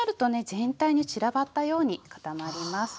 全体に散らばったように固まります。